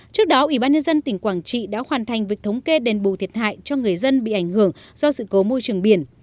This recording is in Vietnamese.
trước đó ubnd tỉnh quảng trị đã hoàn thành việc thống kê đền bù thiệt hại cho người dân bị ảnh hưởng do sự cố môi trường biển